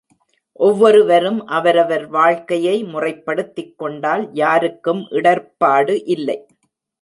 ஒவ்வொருவரும் அவரவர் வாழ்க்கையை முறைப்படுத்திக் கொண்டால் யாருக்கும் இடர்ப்பாடு இல்லை.